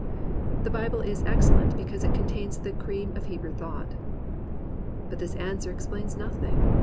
The Bible is excellent because it contains the cream of Hebrew thought. But this answer explains noth ing.